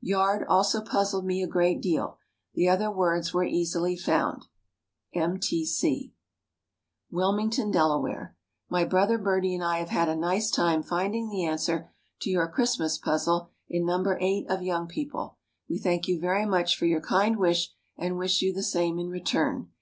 "Yard" also puzzled me a great deal. The other words were easily found. M. T. C. WILMINGTON, DELAWARE. My brother Bertie and I have had a nice time finding the answer to your Christmas Puzzle in No. 8 of Young People. We thank you very much for your kind wish, and wish you the same in return.